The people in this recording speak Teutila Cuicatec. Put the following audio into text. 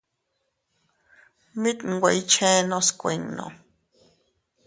Mit nwe iychennos kuinno.